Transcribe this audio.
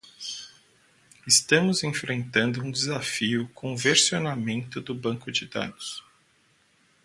Estamos enfrentando um desafio com o versionamento do banco de dados.